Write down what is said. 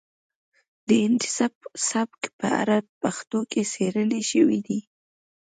د هندي سبک په اړه په پښتو کې څیړنې شوي دي